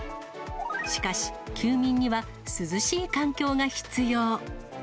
しかし休眠には涼しい環境が必要。